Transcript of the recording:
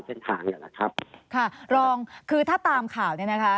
เส้นทางเนี่ยแหละครับค่ะลองคือถ้าตามข่าวเนี่ยนะคะ